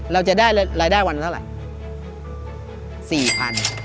เราจะได้รายได้วันเท่าไหร่